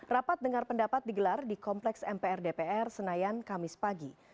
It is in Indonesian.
rapat dengar pendapat digelar di kompleks mpr dpr senayan kamis pagi